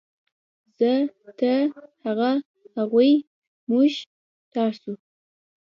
زۀ ، تۀ ، هغه ، هغوی ، موږ ، تاسو